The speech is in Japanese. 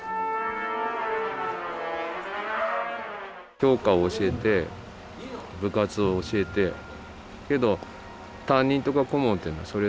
教科を教えて部活を教えてけど担任とか顧問ってのはそれだけじゃないからさ。